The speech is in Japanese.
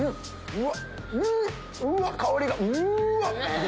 うわっ香りがうわっ！